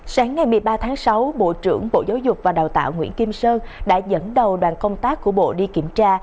sáng ngày một mươi ba tháng sáu bộ trưởng bộ giáo dục và đào tạo nguyễn kim sơn đã dẫn đầu đoàn công tác của bộ đi kiểm tra